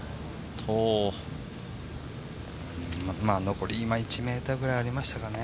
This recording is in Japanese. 残り１ｍぐらいありましたかね。